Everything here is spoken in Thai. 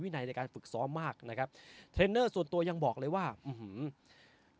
ในในการฝึกซ้อมมากนะครับเทรนเนอร์ส่วนตัวยังบอกเลยว่าอื้อหือ